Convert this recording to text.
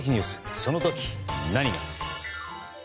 その時、何が。